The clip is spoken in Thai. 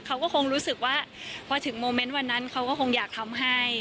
เขาก็คงรู้สึกว่าพอถึงโมเมนต์วันนั้นเขาก็คงอยากทำให้